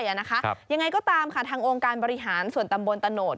ยังไงก็ตามค่ะทางองค์การบริหารส่วนตำบลตะโนธ